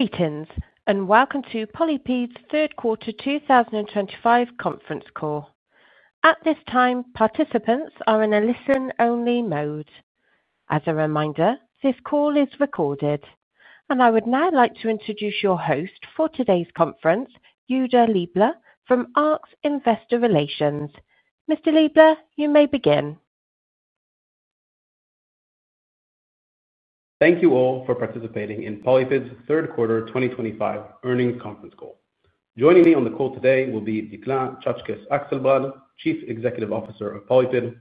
Greetings, and welcome to PolyPid's Third Quarter 2025 Conference Call. At this time, participants are in a listen-only mode. As a reminder, this call is recorded, and I would now like to introduce your host for today's conference, Yehuda Liebler from ARX Investor Relations. Mr. Liebler, you may begin. Thank you all for participating in PolyPid's Third Quarter 2025 Earnings Conference Call. Joining me on the call today will be Dikla Akselbrad, Chief Executive Officer of PolyPid,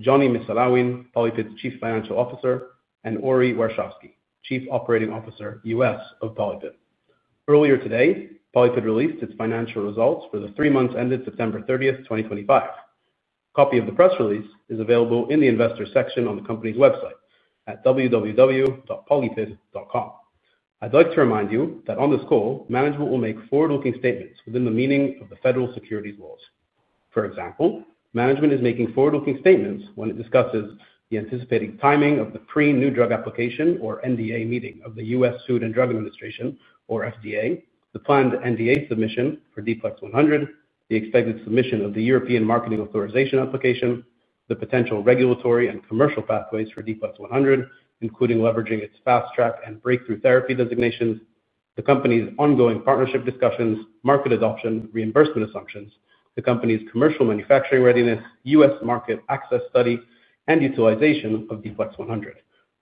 Jonny Missulawin, PolyPid's Chief Financial Officer, and Ori Warshavsky, Chief Operating Officer U.S. of PolyPid. Earlier today, PolyPid released its financial results for the three months ended September 30th 2025. A copy of the press release is available in the investor section on the company's website at www.polypid.com. I'd like to remind you that on this call, management will make forward-looking statements within the meaning of the federal securities laws. For example, management is making forward-looking statements when it discusses the anticipated timing of the pre-new drug application, or NDA, meeting of the U.S. Food and Drug Administration, or FDA, the planned NDA submission for D-PLEX100, the expected submission of the European marketing authorization application, the potential regulatory and commercial pathways for D-PLEX100, including leveraging its Fast Track and Breakthrough Therapy Designations, the company's ongoing partnership discussions, market adoption reimbursement assumptions, the company's commercial manufacturing readiness, U.S. market access study, and utilization of D-PLEX100,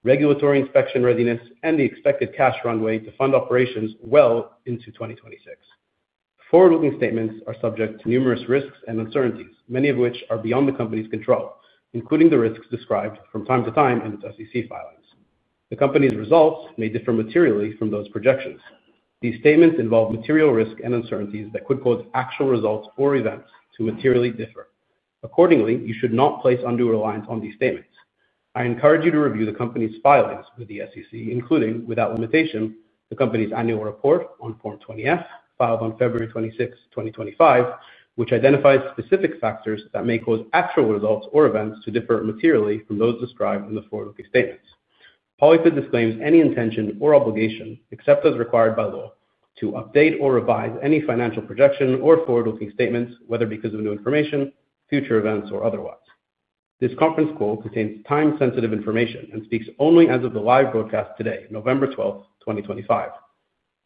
regulatory inspection readiness, and the expected cash runway to fund operations well into 2026. Forward-looking statements are subject to numerous risks and uncertainties, many of which are beyond the company's control, including the risks described from time to time in its SEC filings. The company's results may differ materially from those projections. These statements involve material risk and uncertainties that could cause actual results or events to materially differ. Accordingly, you should not place undue reliance on these statements. I encourage you to review the company's filings with the SEC, including, without limitation, the company's annual report on Form 20-F filed on February 26, 2025, which identifies specific factors that may cause actual results or events to differ materially from those described in the forward-looking statements. PolyPid disclaims any intention or obligation, except as required by law, to update or revise any financial projection or forward-looking statements, whether because of new information, future events, or otherwise. This conference call contains time-sensitive information and speaks only as of the live broadcast today, November 12, 2025.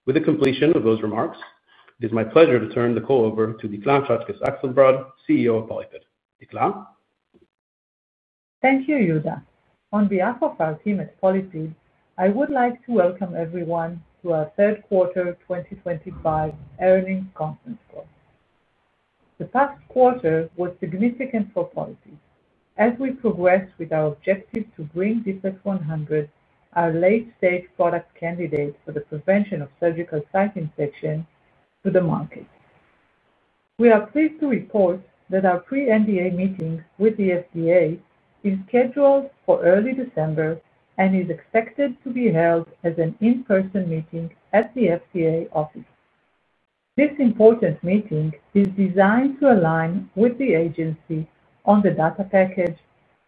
With the completion of those remarks, it is my pleasure to turn the call over to Dikla Akselbrad, CEO of PolyPid. Dikla? Thank you, Yehuda. On behalf of our team at PolyPid, I would like to welcome everyone to our Third Quarter 2025 Earnings Conference Call. The past quarter was significant for PolyPid. As we progress with our objective to bring D-PLEX100, our late-stage product candidate for the prevention of surgical site infection, to the market, we are pleased to report that our pre-NDA meeting with the FDA is scheduled for early December and is expected to be held as an in-person meeting at the FDA office. This important meeting is designed to align with the agency on the data package,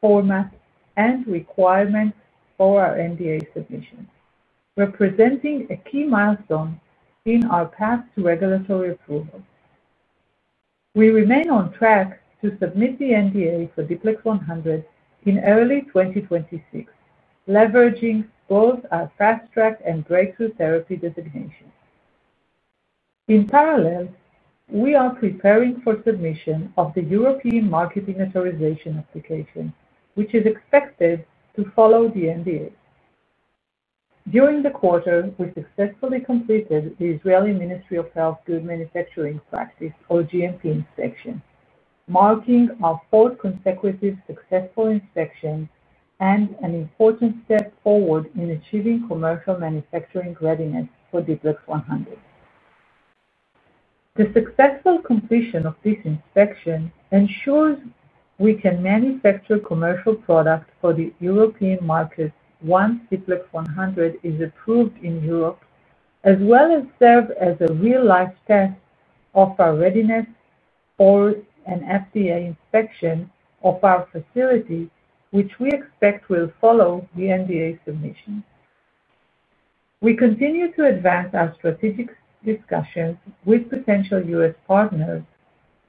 format, and requirements for our NDA submission, representing a key milestone in our path to regulatory approval. We remain on track to submit the NDA for D-PLEX100 in early 2026, leveraging both our fast track and breakthrough therapy designations. In parallel, we are preparing for submission of the European marketing authorization application, which is expected to follow the NDA. During the quarter, we successfully completed the Israeli Ministry of Health Good Manufacturing Practice, or GMP, inspection, marking our fourth consecutive successful inspection and an important step forward in achieving commercial manufacturing readiness for D-PLEX100. The successful completion of this inspection ensures we can manufacture commercial products for the European markets once D-PLEX100 is approved in Europe, as well as serve as a real-life test of our readiness for an FDA inspection of our facility, which we expect will follow the NDA submission. We continue to advance our strategic discussions with potential U.S. partners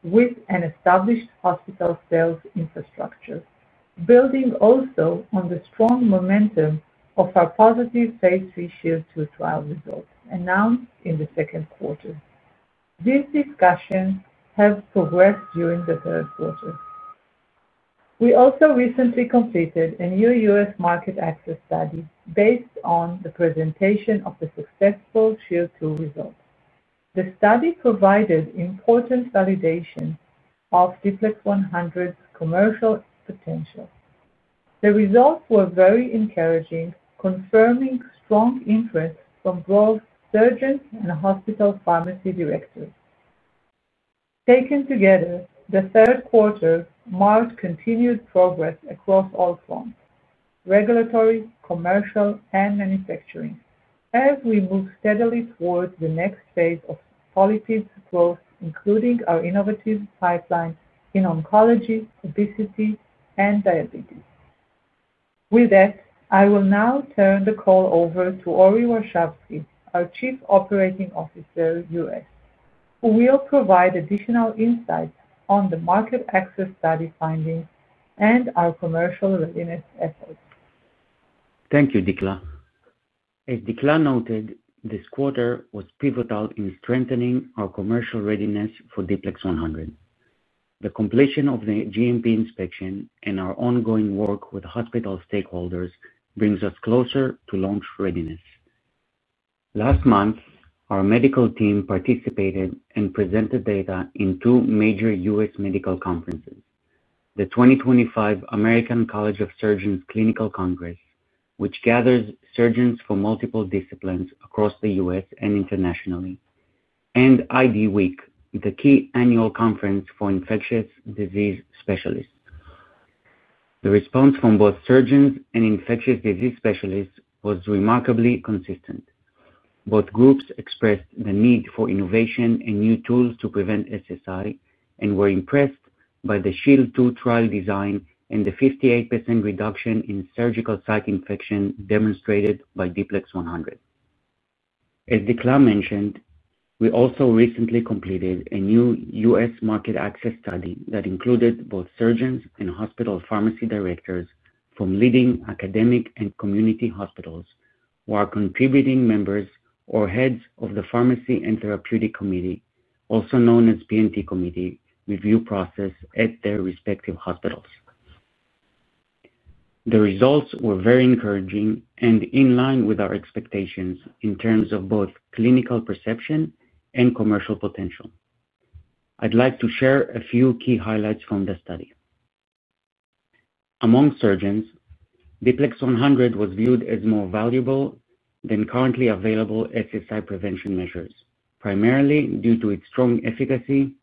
with an established hospital sales infrastructure, building also on the strong momentum of our positive phase III SHIELD II trial results announced in the second quarter. These discussions have progressed during the third quarter. We also recently completed a new U.S. market access study based on the presentation of the successful SHIELD II results. The study provided important validation of D-PLEX100's commercial potential. The results were very encouraging, confirming strong interest from both surgeons and hospital pharmacy directors. Taken together, the third quarter marked continued progress across all fronts: regulatory, commercial, and manufacturing, as we move steadily towards the next phase of PolyPid's growth, including our innovative pipeline in oncology, obesity, and diabetes. With that, I will now turn the call over to Ori Warshavsky, our Chief Operating Officer U.S., who will provide additional insights on the market access study findings and our commercial readiness efforts. Thank you, Dikla. As Dikla noted, this quarter was pivotal in strengthening our commercial readiness for D-PLEX100. The completion of the GMP inspection and our ongoing work with hospital stakeholders brings us closer to launch readiness. Last month, our medical team participated and presented data in two major U.S. medical conferences: the 2025 American College of Surgeons Clinical Congress, which gathers surgeons from multiple disciplines across the U.S. and internationally, and IDWeek, the key annual conference for infectious disease specialists. The response from both surgeons and infectious disease specialists was remarkably consistent. Both groups expressed the need for innovation and new tools to prevent SSI and were impressed by the SHIELD II trial design and the 58% reduction in surgical site infection demonstrated by D-PLEX100. As Dikla mentioned, we also recently completed a new U.S. market access study that included both surgeons and hospital pharmacy directors from leading academic and community hospitals who are contributing members or heads of the Pharmacy and Therapeutics Committee, also known as P&T Committee, review process at their respective hospitals. The results were very encouraging and in line with our expectations in terms of both clinical perception and commercial potential. I'd like to share a few key highlights from the study. Among surgeons, D-PLEX100 was viewed as more valuable than currently available SSI prevention measures, primarily due to its strong efficacy,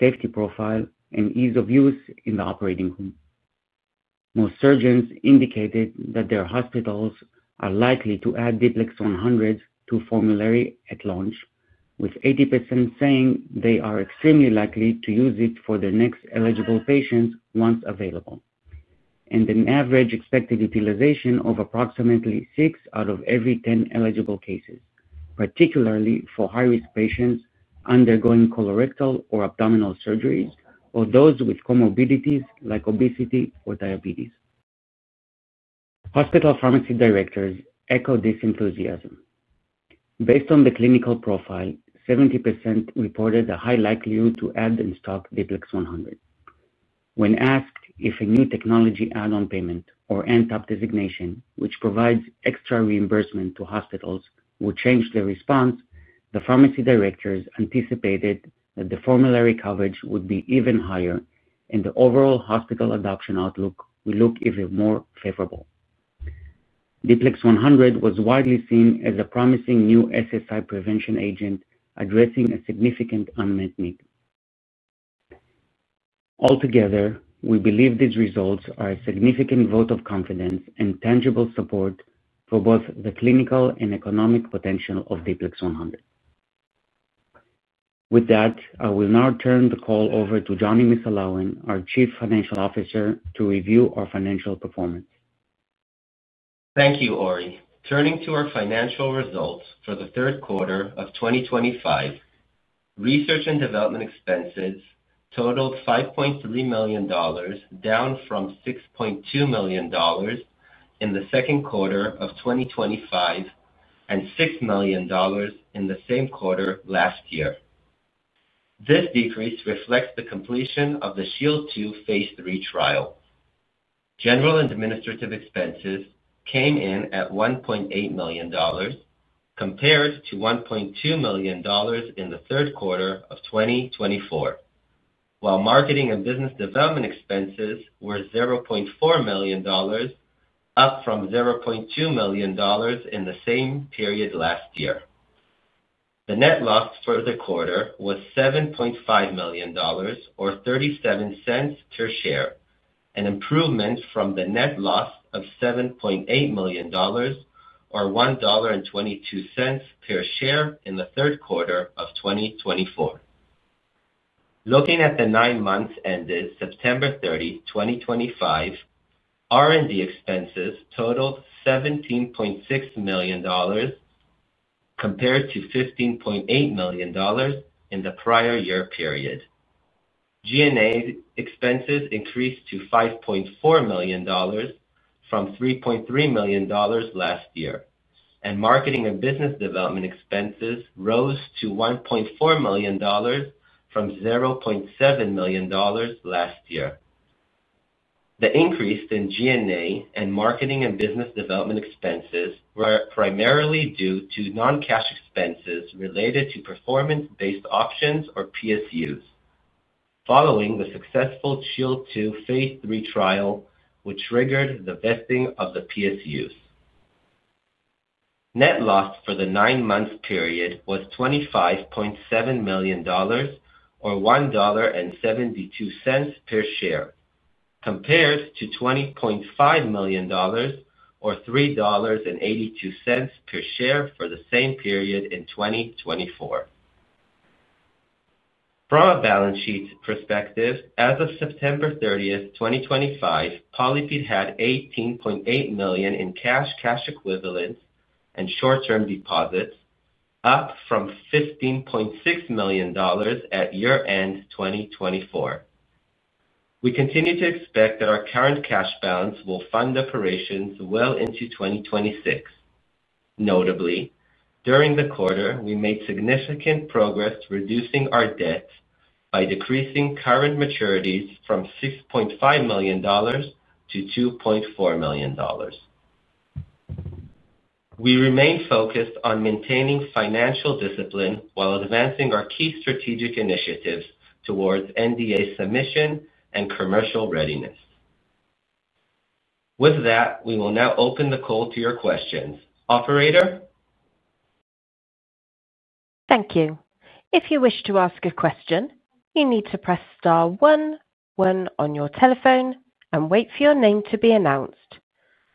safety profile, and ease of use in the operating room. Most surgeons indicated that their hospitals are likely to add D-PLEX100 to formulary at launch, with 80% saying they are extremely likely to use it for their next eligible patients once available, and an average expected utilization of approximately six out of every 10 eligible cases, particularly for high-risk patients undergoing colorectal or abdominal surgeries or those with comorbidities like obesity or diabetes. Hospital pharmacy directors echo this enthusiasm. Based on the clinical profile, 70% reported a high likelihood to add and stock D-PLEX100. When asked if a New Technology Add-on Payment or NTAP designation, which provides extra reimbursement to hospitals, would change their response, the pharmacy directors anticipated that the formulary coverage would be even higher, and the overall hospital adoption outlook would look even more favorable. D-PLEX100 was widely seen as a promising new SSI prevention agent addressing a significant unmet need. Altogether, we believe these results are a significant vote of confidence and tangible support for both the clinical and economic potential of D-PLEX100. With that, I will now turn the call over to Jonny Missulawin, our Chief Financial Officer, to review our financial performance. Thank you, Ori. Turning to our financial results for the third quarter of 2025, research and development expenses totaled $5.3 million, down from $6.2 million in the second quarter of 2025 and $6 million in the same quarter last year. This decrease reflects the completion of the SHIELD II phase III trial. General and administrative expenses came in at $1.8 million, compared to $1.2 million in the third quarter of 2024, while marketing and business development expenses were $0.4 million, up from $0.2 million in the same period last year. The net loss for the quarter was $7.5 million, or $0.37 per share, an improvement from the net loss of $7.8 million, or $1.22 per share in the third quarter of 2024. Looking at the nine months ended September 30, 2025, R&D expenses totaled $17.6 million, compared to $15.8 million in the prior year period. G&A expenses increased to $5.4 million from $3.3 million last year, and marketing and business development expenses rose to $1.4 million from $0.7 million last year. The increase in G&A and marketing and business development expenses was primarily due to non-cash expenses related to performance-based options, or PSUs, following the successful SHIELD II phase III trial, which triggered the vesting of the PSUs Net loss for the nine-month period was $25.7 million, or $1.72 per share, compared to $20.5 million, or $3.82 per share for the same period in 2024. From a balance sheet perspective, as of September 30, 2025, PolyPid had $18.8 million in cash, cash equivalents and short-term deposits, up from $15.6 million at year-end 2024. We continue to expect that our current cash balance will fund operations well into 2026. Notably, during the quarter, we made significant progress reducing our debt by decreasing current maturities from $6.5 million to $2.4 million. We remain focused on maintaining financial discipline while advancing our key strategic initiatives towards NDA submission and commercial readiness. With that, we will now open the call to your questions. Operator? Thank you. If you wish to ask a question, you need to press star one one on your telephone and wait for your name to be announced.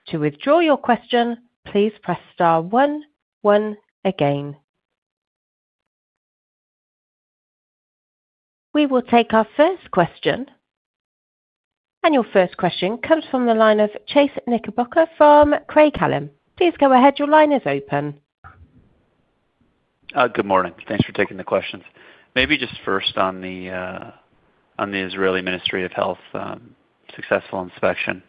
To withdraw your question, please press star one one again. We will take our first question. Your first question comes from the line of Chase Knickerbocker from Craig-Hallum. Please go ahead. Your line is open. Good morning. Thanks for taking the questions. Maybe just first on the Israeli Ministry of Health successful inspection.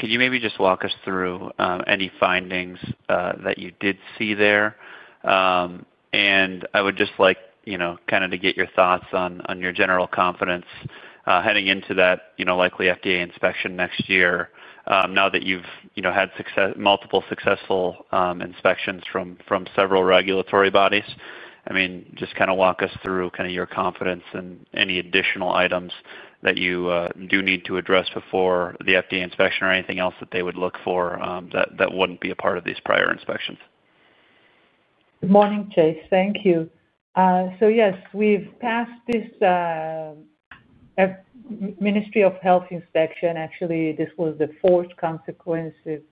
Could you maybe just walk us through any findings that you did see there? I would just like kind of to get your thoughts on your general confidence heading into that likely FDA inspection next year, now that you've had multiple successful inspections from several regulatory bodies. I mean, just kind of walk us through kind of your confidence and any additional items that you do need to address before the FDA inspection or anything else that they would look for that wouldn't be a part of these prior inspections. Good morning, Chase. Thank you. Yes, we've passed this Ministry of Health inspection. Actually, this was the fourth consecutive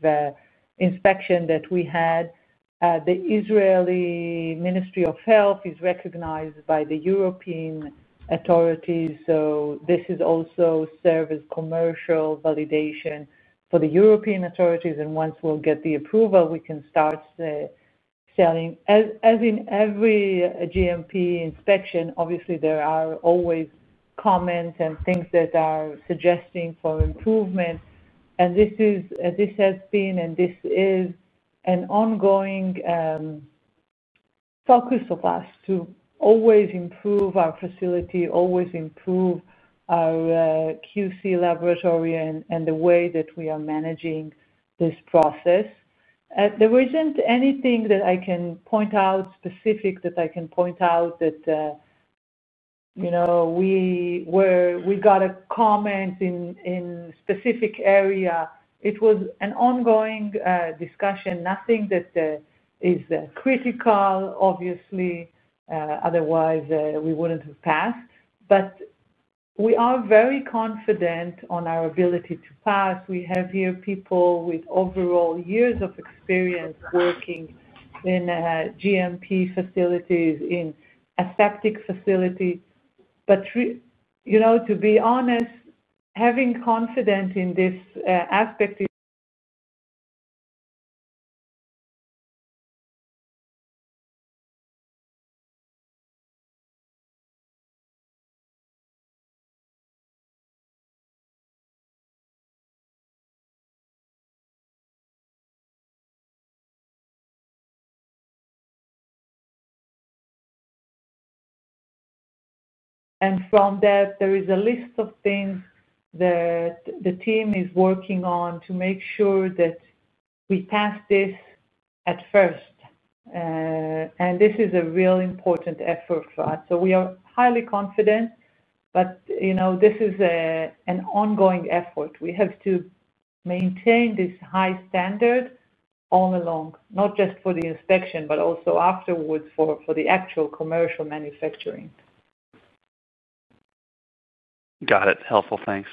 inspection that we had. The Israeli Ministry of Health is recognized by the European authorities, so this also served as commercial validation for the European authorities. Once we get the approval, we can start selling. As in every GMP inspection, obviously, there are always comments and things that are suggested for improvement. This has been, and this is an ongoing focus of ours to always improve our facility, always improve our QC laboratory and the way that we are managing this process. There isn't anything specific that I can point out that we got a comment in a specific area. It was an ongoing discussion, nothing that is critical, obviously. Otherwise, we wouldn't have passed. We are very confident on our ability to pass. We have here people with overall years of experience working in GMP facilities, in a septic facility. To be honest, having confidence in this aspect is— From that, there is a list of things that the team is working on to make sure that we pass this at first. This is a real important effort for us. We are highly confident, but this is an ongoing effort. We have to maintain this high standard all along, not just for the inspection, but also afterwards for the actual commercial manufacturing. Got it. Helpful. Thanks.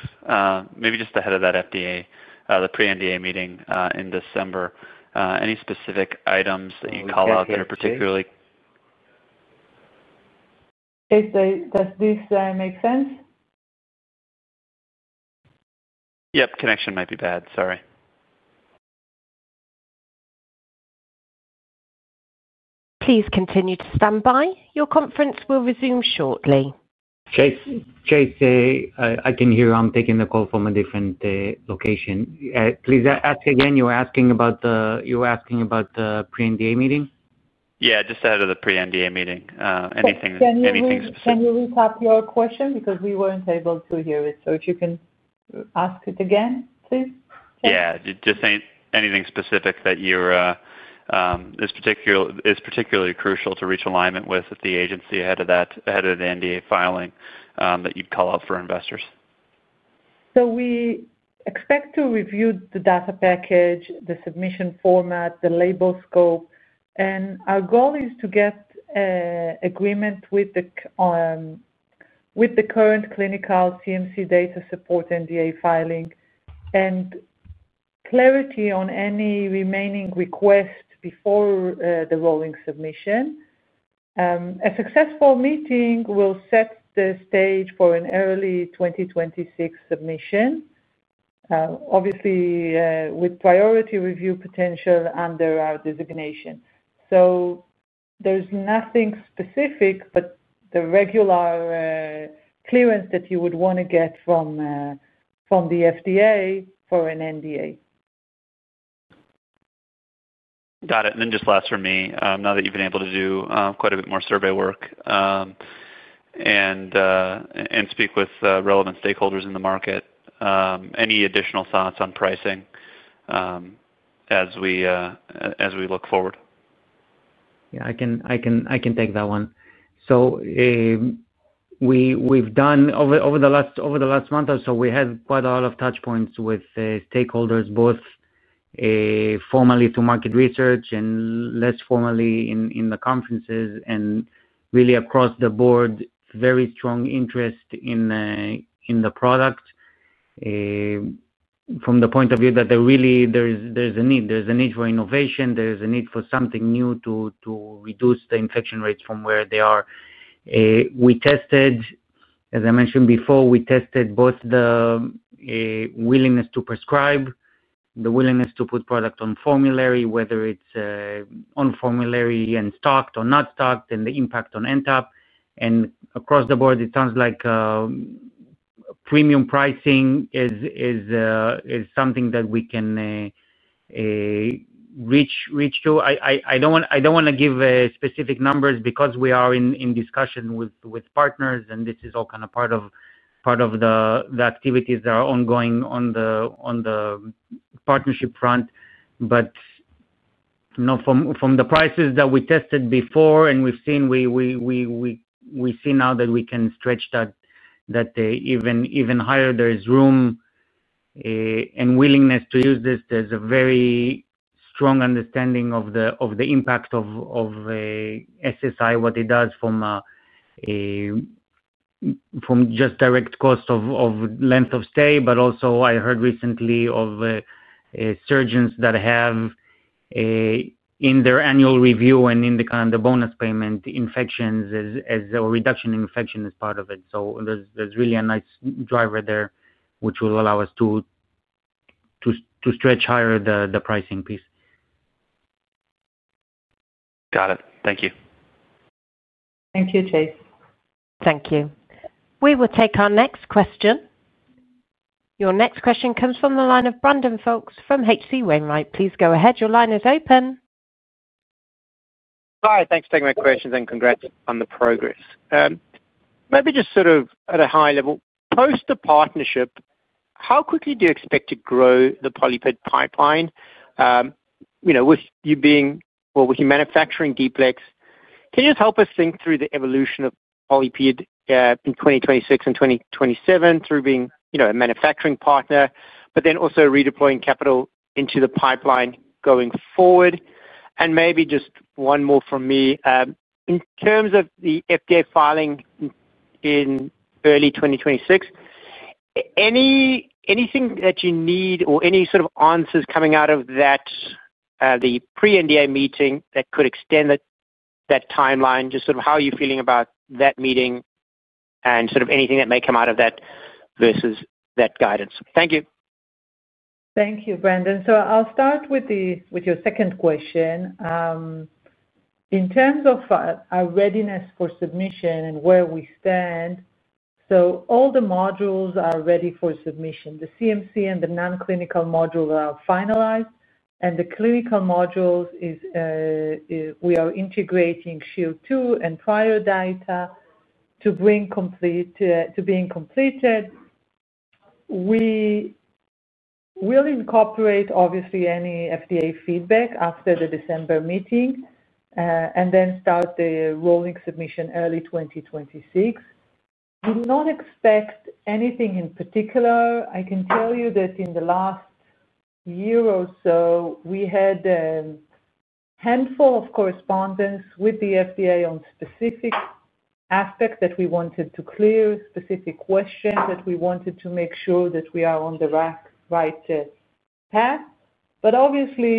Maybe just ahead of that FDA, the pre-NDA meeting in December, any specific items that you'd call out that are particularly— Chase, does this make sense? Yep. Connection might be bad. Sorry. Please continue to stand by. Your conference will resume shortly. Chase, I can hear you. I'm taking the call from a different location. Please ask again. You were asking about the pre-NDA meeting? Yeah, just ahead of the pre-NDA meeting. Anything specific? Can you recap your question? Because we weren't able to hear it. If you can ask it again, please. Yeah. Just anything specific that it's particularly crucial to reach alignment with at the agency ahead of the NDA filing that you'd call out for investors. We expect to review the data package, the submission format, the label scope. Our goal is to get agreement with the current clinical CMC data support NDA filing and clarity on any remaining requests before the rolling submission. A successful meeting will set the stage for an early 2026 submission, obviously with priority review potential under our designation. There is nothing specific, but the regular clearance that you would want to get from the FDA for an NDA. Got it. And then just last for me, now that you've been able to do quite a bit more survey work and speak with relevant stakeholders in the market, any additional thoughts on pricing as we look forward? Yeah, I can take that one. We have done over the last month or so, we had quite a lot of touchpoints with stakeholders, both formally through market research and less formally in the conferences, and really across the board, very strong interest in the product from the point of view that there is a need. There is a need for innovation. There is a need for something new to reduce the infection rates from where they are. As I mentioned before, we tested both the willingness to prescribe, the willingness to put product on formulary, whether it is on formulary and stocked or not stocked, and the impact on NTAP. Across the board, it sounds like premium pricing is something that we can reach to. I don't want to give specific numbers because we are in discussion with partners, and this is all kind of part of the activities that are ongoing on the partnership front. From the prices that we tested before and we've seen, we see now that we can stretch that even higher. There is room and willingness to use this. There is a very strong understanding of the impact of SSI, what it does from just direct cost of length of stay, but also I heard recently of surgeons that have in their annual review and in the kind of bonus payment infections or reduction in infection as part of it. There is really a nice driver there, which will allow us to stretch higher the pricing piece. Got it. Thank you. Thank you, Chase. Thank you. We will take our next question. Your next question comes from the line of Brandon Folkes from H.C. Wainwright. Please go ahead. Your line is open. Hi. Thanks for taking my questions and congrats on the progress. Maybe just sort of at a high level, post the partnership, how quickly do you expect to grow the PolyPid pipeline with you being, well, with you manufacturing, D-PLEX? Can you just help us think through the evolution of PolyPid in 2026 and 2027 through being a manufacturing partner, but then also redeploying capital into the pipeline going forward? Maybe just one more from me. In terms of the FDA filing in early 2026, anything that you need or any sort of answers coming out of the pre-NDA meeting that could extend that timeline? Just sort of how are you feeling about that meeting and sort of anything that may come out of that versus that guidance? Thank you. Thank you, Brandon. I'll start with your second question. In terms of our readiness for submission and where we stand, all the modules are ready for submission. The CMC and the non-clinical modules are finalized, and the clinical modules we are integrating SHIELD II and prior data to be completed. We will incorporate, obviously, any FDA feedback after the December meeting and then start the rolling submission early 2026. We do not expect anything in particular. I can tell you that in the last year or so, we had a handful of correspondence with the FDA on specific aspects that we wanted to clear, specific questions that we wanted to make sure that we are on the right path. Obviously,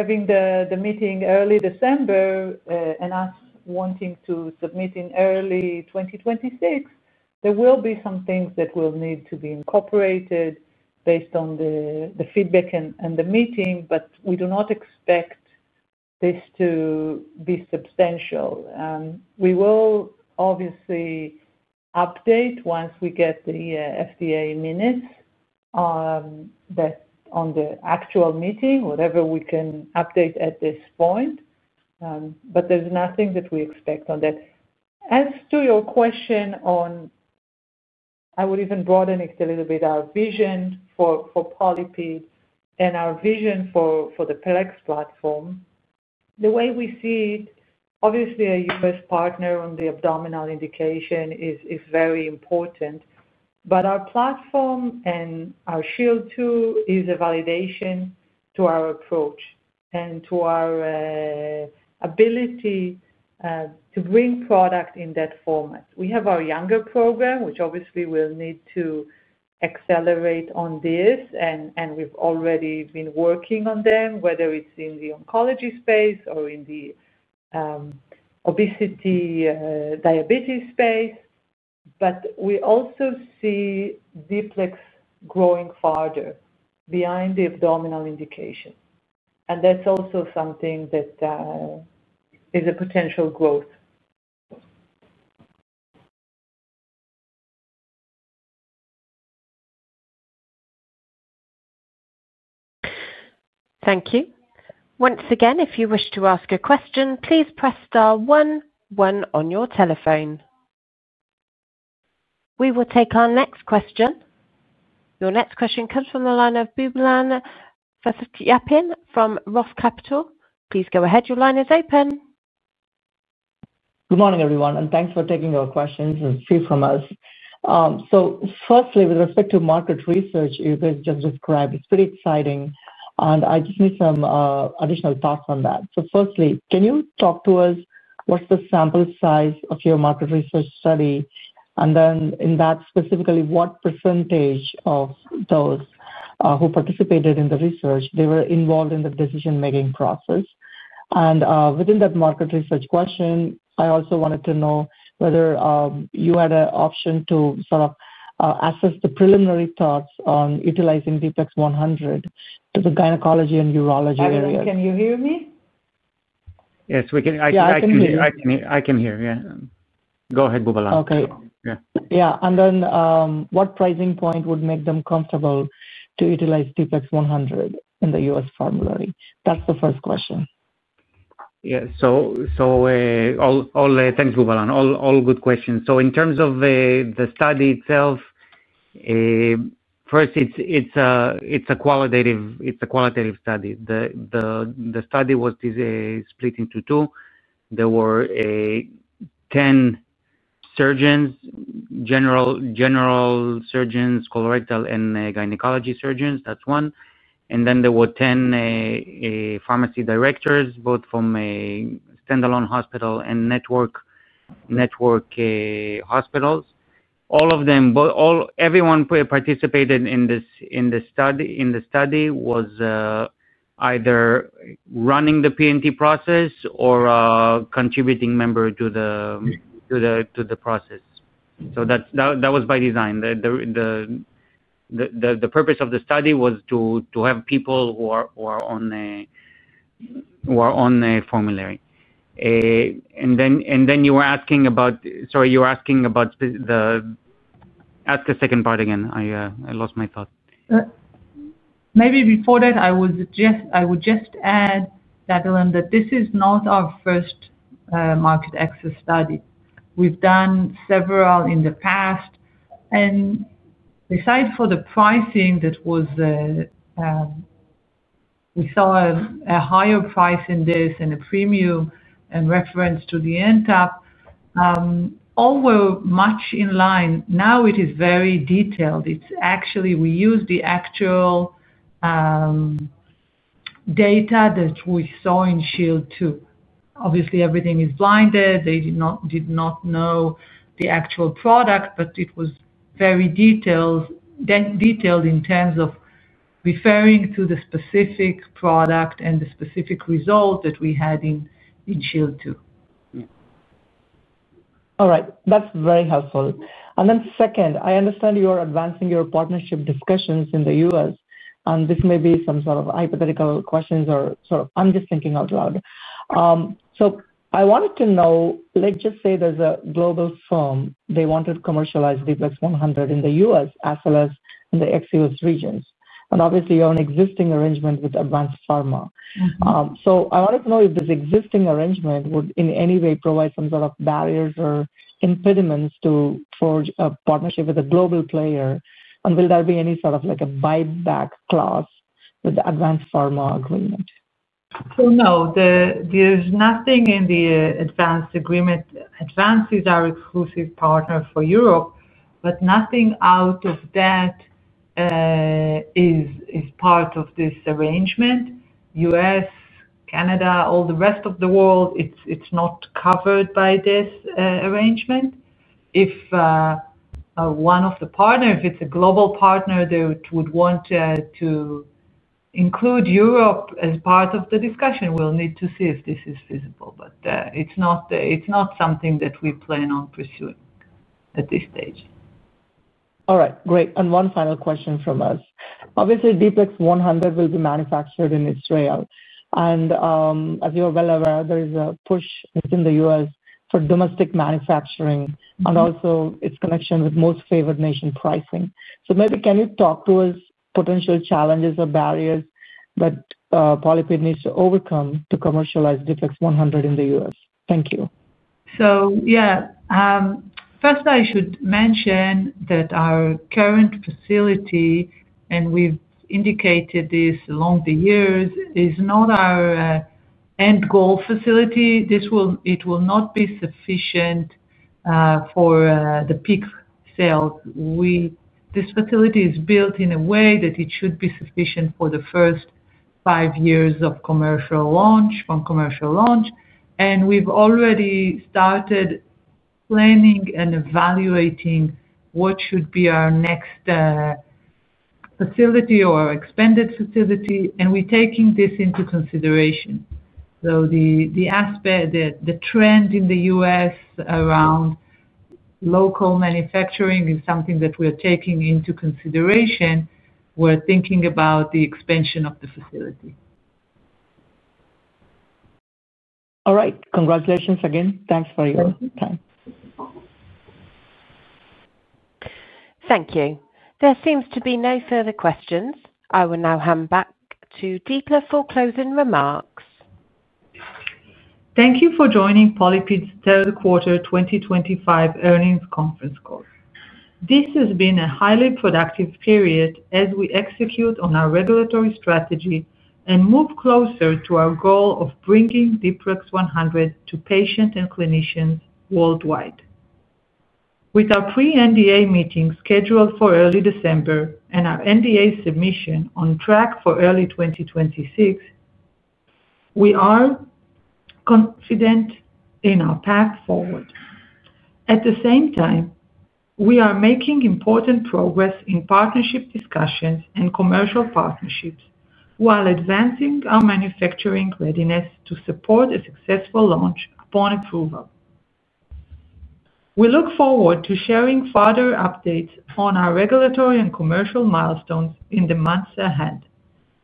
having the meeting early December and us wanting to submit in early 2026, there will be some things that will need to be incorporated based on the feedback and the meeting, but we do not expect this to be substantial. We will obviously update once we get the FDA minutes on the actual meeting, whatever we can update at this point, but there is nothing that we expect on that. As to your question on, I would even broaden it a little bit, our vision for PolyPid and our vision for the PLEX platform, the way we see it, obviously, a U.S. partner on the abdominal indication is very important, but our platform and our SHIELD II is a validation to our approach and to our ability to bring product in that format. We have our younger program, which obviously will need to accelerate on this, and we've already been working on them, whether it's in the oncology space or in the obesity diabetes space. We also see D-PLEX growing farther behind the abdominal indication. And that's also something that is a potential growth. Thank you. Once again, if you wish to ask a question, please press star one, one on your telephone. We will take our next question. Your next question comes from the line of Boobalan Pachaiyappan from Roth Capital. Please go ahead. Your line is open. Good morning, everyone, and thanks for taking our questions and feed from us. Firstly, with respect to market research, you guys just described, it's pretty exciting, and I just need some additional thoughts on that. Firstly, can you talk to us what's the sample size of your market research study? In that, specifically, what percentage of those who participated in the research, they were involved in the decision-making process? Within that market research question, I also wanted to know whether you had an option to sort of assess the preliminary thoughts on utilizing D-PLEX100 to the gynecology and urology area? Hi. Can you hear me? Yes. I can hear. I can hear. I can hear. Yeah. Go ahead, Boobalan. Okay. Yeah. And then what pricing point would make them comfortable to utilize D-PLEX100 in the U.S. formulary? That's the first question. Yeah. Thanks, Boobalan. All good questions. In terms of the study itself, first, it's a qualitative study. The study was split into two. There were 10 surgeons, general surgeons, colorectal, and gynecology surgeons. That's one. Then there were 10 pharmacy directors, both from standalone hospital and network hospitals. Everyone who participated in the study was either running the P&T process or a contributing member to the process. That was by design. The purpose of the study was to have people who are on a formulary. You were asking about—sorry, you were asking about the—ask the second part again. I lost my thought. Maybe before that, I would just add that this is not our first market access study. We've done several in the past. Aside from the pricing that was—we saw a higher price in this and a premium in reference to the NTAP, all were much in line. It is very detailed. Actually, we used the actual data that we saw in SHIELD II. Obviously, everything is blinded. They did not know the actual product, but it was very detailed in terms of referring to the specific product and the specific result that we had in SHIELD II. All right. That's very helpful. Second, I understand you are advancing your partnership discussions in the U.S., and this may be some sort of hypothetical questions or sort of—I'm just thinking out loud. I wanted to know, let's just say there's a global firm, they want to commercialize D-PLEX100 in the US as well as in the ex-U.S. regions. Obviously, you have an existing arrangement with Advanced Pharma. I wanted to know if this existing arrangement would in any way provide some sort of barriers or impediments to forge a partnership with a global player, and will there be any sort of a buyback clause with the Advanced Pharma agreement? No, there's nothing in the Advanced agreement. Advanced is our exclusive partner for Europe, but nothing out of that is part of this arrangement. U.S., Canada, all the rest of the world, it's not covered by this arrangement. If one of the partners, if it's a global partner that would want to include Europe as part of the discussion, we'll need to see if this is feasible, but it's not something that we plan on pursuing at this stage. All right. Great. And one final question from us. Obviously, D-PLEX100 will be manufactured in Israel. And as you are well aware, there is a push within the U.S. for domestic manufacturing and also its connection with most favored nation pricing. Maybe can you talk to us about potential challenges or barriers that PolyPid needs to overcome to commercialize D-PLEX100 in the U.S.? Thank you. First, I should mention that our current facility, and we've indicated this along the years, is not our end goal facility. It will not be sufficient for the peak sales. This facility is built in a way that it should be sufficient for the first five years of commercial launch, from commercial launch. We've already started planning and evaluating what should be our next facility or our expanded facility, and we're taking this into consideration. The trend in the U.S. around local manufacturing is something that we are taking into consideration. We're thinking about the expansion of the facility. All right. Congratulations again. Thanks for your time. Thank you. There seems to be no further questions. I will now hand back to Dikla for closing remarks. Thank you for joining PolyPid's third quarter 2025 earnings conference call. This has been a highly productive period as we execute on our regulatory strategy and move closer to our goal of bringing D-PLEX 100 to patients and clinicians worldwide. With our pre-NDA meeting scheduled for early December and our NDA submission on track for early 2026, we are confident in our path forward. At the same time, we are making important progress in partnership discussions and commercial partnerships while advancing our manufacturing readiness to support a successful launch upon approval. We look forward to sharing further updates on our regulatory and commercial milestones in the months ahead.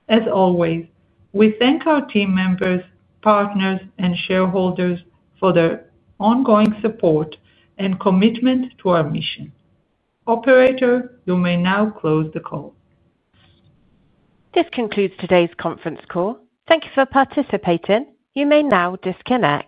As always, we thank our team members, partners, and shareholders for their ongoing support and commitment to our mission. Operator, you may now close the call. This concludes today's conference call. Thank you for participating. You may now disconnect.